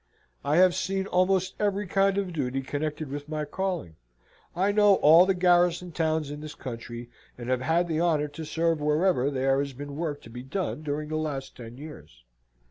I have seen almost every kind of duty connected with my calling. I know all the garrison towns in this country, and have had the honour to serve wherever there has been work to be done during the last ten years.